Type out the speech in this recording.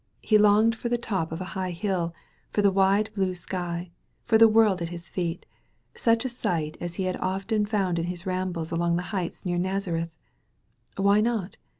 He longed for the top of a high hill— 1(» the wide, blue sky— for the worid at his feet — such a sight as he had often found in his rambles among the heights near Naza reth. Why not?